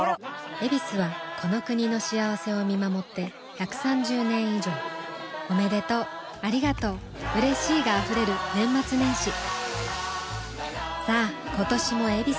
「ヱビス」はこの国の幸せを見守って１３０年以上おめでとうありがとううれしいが溢れる年末年始さあ今年も「ヱビス」で